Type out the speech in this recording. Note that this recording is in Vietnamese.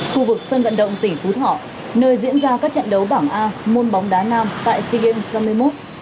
khu vực sân vận động tỉnh phú thọ nơi diễn ra các trận đấu bảng a môn bóng đá nam tại sea games năm mươi một